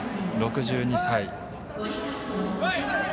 ６２歳。